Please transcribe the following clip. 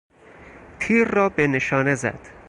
تیر را به نشانه زد.